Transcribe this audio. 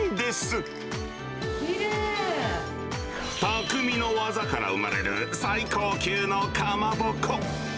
匠の技から生まれる最高級のかまぼこ。